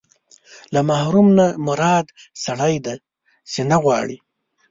له محروم نه مراد سړی دی چې نه غواړي.